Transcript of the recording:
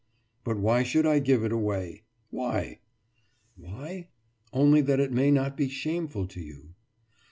« »But why should I give it away? Why?« »Why? Only that it may not be shameful to you.